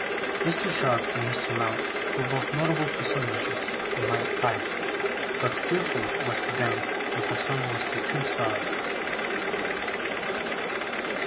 Mr. Sharp and Mr. Mell were both notable personages in my eyes; but Steerforth was to them what the sun was to two stars.